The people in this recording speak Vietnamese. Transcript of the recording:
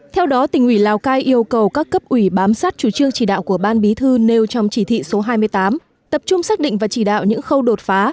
theo đó tỉnh ủy lào cai yêu cầu các cấp ủy bám sát chủ trương chỉ đạo của ban bí thư nêu trong chỉ thị số hai mươi tám tập trung xác định và chỉ đạo những khâu đột phá